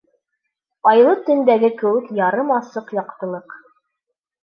Айлы төндәге кеүек ярым асыҡ яҡтылыҡ.